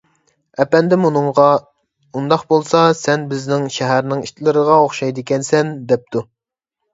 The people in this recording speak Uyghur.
ئەپەندىم ئۇنىڭغا: _ ئۇنداق بولسا ، سەن بىزنىڭ شەھەرنىڭ ئىتلىرىغا ئوخشايدىكەنسەن، _ دەپتۇ.